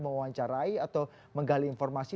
mewawancarai atau menggali informasi